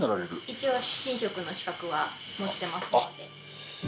一応神職の資格は持ってますので。